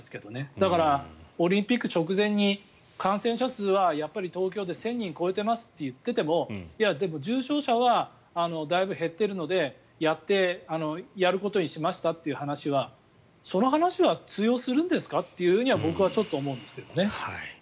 だから、オリンピック直前に感染者数は東京で１０００人を超えてますと言っていてもでも重症者はだいぶ減っているのでやることにしましたっていう話はその話は通用するんですかと僕はちょっと思うんですけどね。